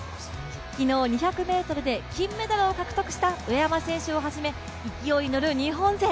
昨日、２００ｍで金メダルを獲得した上山選手をはじめ勢いに乗る日本勢。